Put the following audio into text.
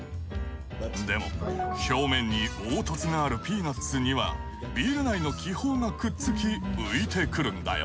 でも表面に凹凸があるピーナッツにはビール内の気泡がくっつき浮いてくるんだよ。